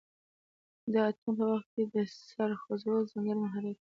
د اتن په وخت کې د سر خوځول ځانګړی مهارت دی.